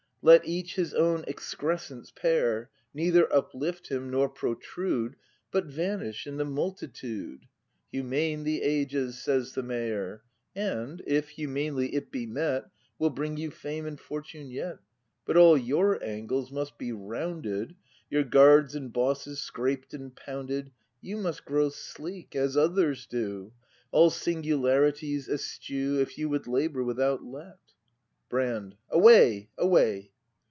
Let each his own excrescence pare, Neither uplift him, nor protrude, But vanish in the multitude. "Humane the age is," says the Mayor: And if humanely it be met Will bring you fame and fortune yet. But all your angles must be rounded, Your gnarls and bosses scraped and pounded; You must grow sleek as others do. All singularities eschew. If you would labour without let. Brand. Away! away!